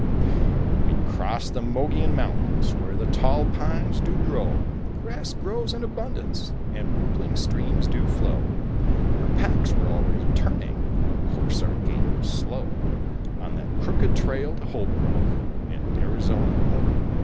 We crossed the Mongollen Mountains where the tall pines do grow, Grass grows in abundance, and rippling streams do flow; Our packs were always turning, of course our gait was slow, On that crooked trail to Holbrook, in Arizona oh.